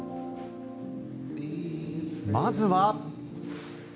まずは。